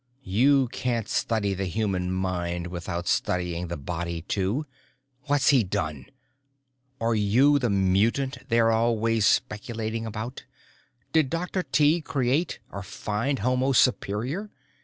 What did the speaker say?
"You can't study the human mind without studying the body too. What's he done? Are you the mutant they're always speculating about? Did Dr. Tighe create or find homo superior?"